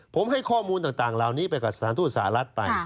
ผมให้ข้อมูลต่างเหล่านี้ไปกับสถานทูตสหรัฐไป